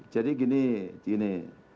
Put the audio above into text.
jadi gini gini